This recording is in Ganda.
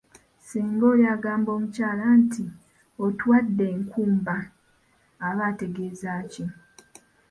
Singa oli agamba omukyala nti ‘otuwadde enkumba’ aba ategeeza ki?